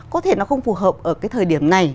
có thể nó không phù hợp ở cái thời điểm này